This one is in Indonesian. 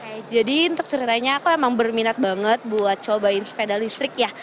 oke jadi untuk ceritanya aku emang berminat banget buat cobain sepeda listrik ya